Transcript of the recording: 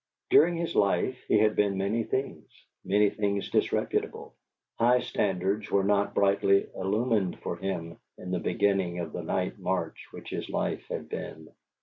During his life he had been many things many things disreputable; high standards were not brightly illumined for him in the beginning of the night march which his life had been.